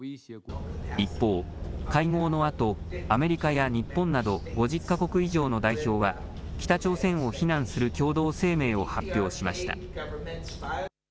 一方、会合のあとアメリカや日本など５０か国以上の代表は北朝鮮を非難する共同声明を発表しました。